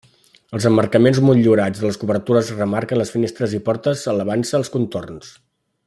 Els emmarcaments motllurats de les obertures remarquen les finestres i portes elevant-se als contorns.